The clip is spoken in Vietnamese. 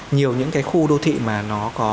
nhiều những cái khu đô thị mà nó có